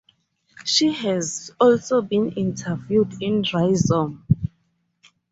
She has also been interviewed in Rhizome.